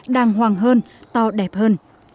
đàng hoàng hơn to đẹp hơn